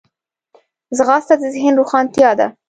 ځغاسته د ذهن روښانتیا ده